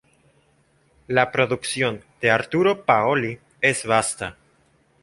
La producción de Arturo Paoli es vasta.